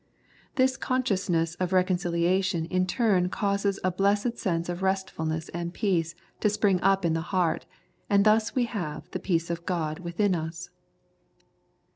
This consciousness of reconciliation in turn causes a blessed sense of restfulness and peace to spring up in the heart, and thus we have the peace of God within us.